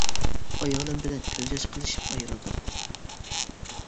ئايالىم بىلەن كۆز ياش قىلىشىپ ئايرىلدۇق.